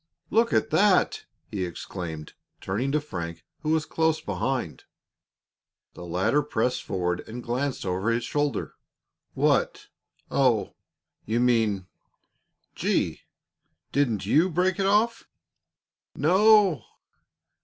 "Look at that!" he exclaimed, turning to Frank, who was close behind. The latter pressed forward and glanced over his shoulder. "What? Oh! You mean Gee! Didn't you break it off?" "No!"